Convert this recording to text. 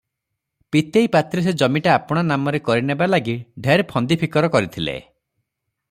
ପୀତେଇ ପାତ୍ରେ ସେ ଜମିଟା ଆପଣା ନାମରେ କରିନେବା ଲାଗି ଢେର ଫନ୍ଦି ଫିକର କରିଥିଲେ ।